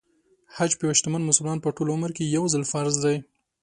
حج په یو شتمن مسلمان په ټول عمر کې يو ځل فرض دی .